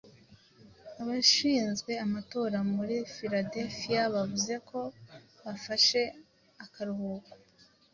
Abashinzwe amatora muri Philadelphia bavuze ko bafashe akaruhuko